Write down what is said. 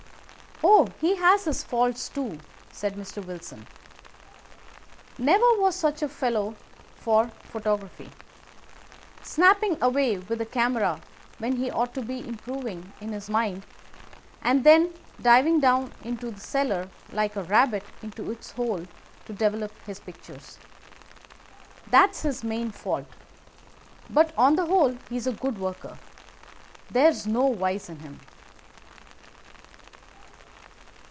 "Oh, he has his faults, too," said Mr. Wilson. "Never was such a fellow for photography. Snapping away with a camera when he ought to be improving his mind, and then diving down into the cellar like a rabbit into its hole to develop his pictures. That is his main fault, but on the whole he's a good worker. There's no vice in him."